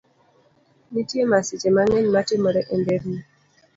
Nitie masiche mang'eny matimore e nderni.